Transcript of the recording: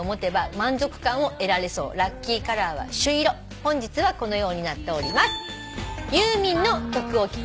本日はこのようになっております。